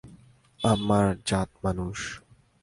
আমার জাত মানুষ।